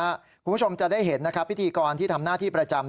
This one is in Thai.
คุณผู้ชมจะได้เห็นนะครับพิธีกรที่ทำหน้าที่ประจำ